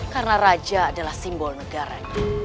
karena raja adalah simbol negaranya